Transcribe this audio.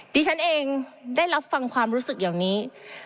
ดิฉันเองได้รับฟังความรู้สึกเหล่านี้